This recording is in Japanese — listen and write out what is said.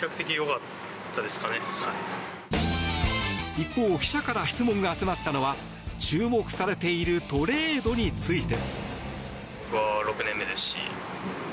一方記者から質問が集まったのは注目されているトレードについて。